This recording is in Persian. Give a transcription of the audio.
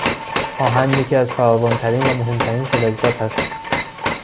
آهن یکی از فراوان ترین و مهمترین فلزات است.